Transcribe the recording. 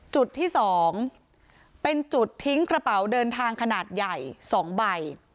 จุดที่๒เป็นจุดทิ้งกระเป๋าเดินทางขนาดใหญ่๒ใบ